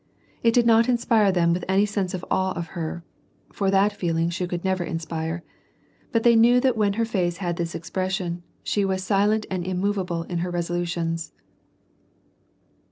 It did not inspire them with any sense of awe of her (for that feeling she never could inspire), but they knew that when her face had this expres sion, she was silent and immovable in her resolutions.